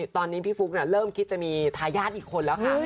ตอนนี้พี่ฟุ๊กเริ่มคิดจะมีทายาทอีกคนแล้วค่ะ